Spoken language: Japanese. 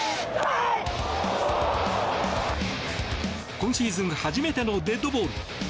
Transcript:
今シーズン初めてのデッドボール。